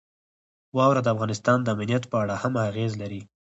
واوره د افغانستان د امنیت په اړه هم اغېز لري.